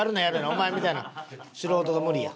お前みたいな素人が無理や。